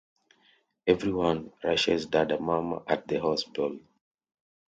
Everyone rushes Dada Mama at the hospital.